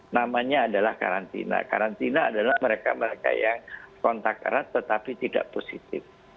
namanya adalah karantina karantina adalah mereka mereka yang kontak erat tetapi tidak positif